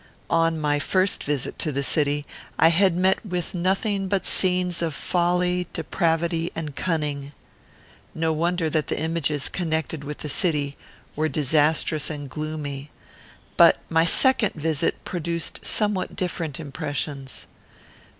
On my first visit to the city, I had met with nothing but scenes of folly, depravity, and cunning. No wonder that the images connected with the city were disastrous and gloomy; but my second visit produced somewhat different impressions.